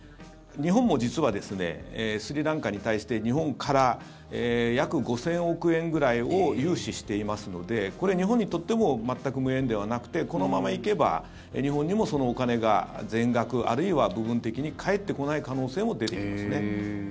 日本も実はスリランカに対して日本から約５０００億円ぐらいを融資していますのでこれ、日本にとっても全く無縁ではなくてこのまま行けば日本にもそのお金が全額、あるいは部分的に返ってこない可能性も出てきますね。